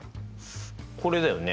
これだよね。